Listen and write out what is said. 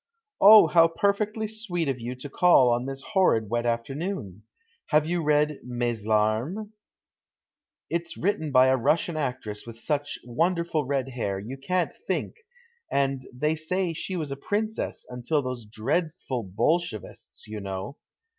" Oh, how perfectly sweet of you to call on this horrid wet afternoon ! Have you read ' Mes Larmes '? It's written by a Russian actress with such wonderful red hair, you can't think, and they say she was a princess, until those dreadful Bolshevists, you know.